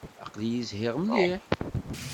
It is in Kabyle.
Aql-iyi zhiɣ mliḥ.